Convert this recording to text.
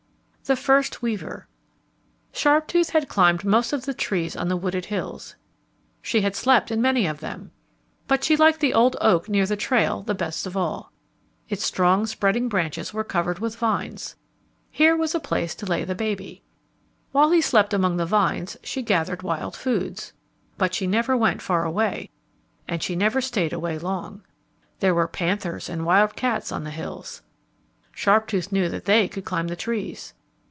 The First Weaver Sharptooth had climbed most of the trees on the wooded hills. She had slept in many of them. But she liked the old oak near the trail the best of all. Its strong spreading branches were covered with vines. Here was a place to lay the baby. While he slept among the vines, she gathered wild foods. But she never went far away, and she never stayed away long. There were panthers and wild cats on the hills. Sharptooth knew that they could climb the trees.